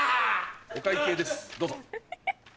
お会計ですどうぞ。